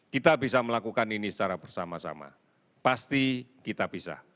kita bisa melakukan ini secara bersama sama pasti kita bisa